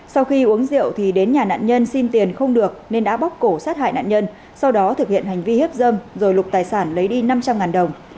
sau khi uống rượu thì đến nhà nạn nhân xin tiền không được nên đã bóc cổ sát hại nạn nhân sau đó thực hiện hành vi hiếp dâm rồi lục tài sản lấy đi năm trăm linh đồng